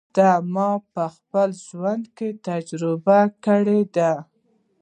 دا ما په خپل ژوند کې تجربه کړې ده.